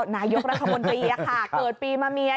นายกรัฐมนตรีค่ะเกิดปีมะเมีย